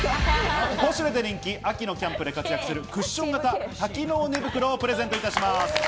ポシュレで人気、秋のキャンプで活躍するクッション型多機能寝袋をプレゼントいたします。